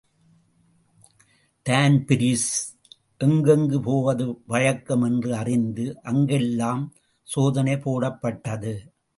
தான்பிரீஸ், எங்கெங்கு போவது வழக்கம் என்று அறிந்து, அங்கெல்லாம் சோதனை போடப்பட்டது.